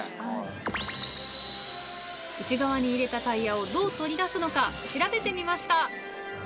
内側に入れたタイヤをどう取り出すのか調べてみました！